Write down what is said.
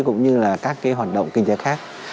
cũng như là các cái hoạt động kinh tế khác